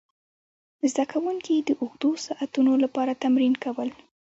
زده کوونکي د اوږدو ساعتونو لپاره تمرین کول.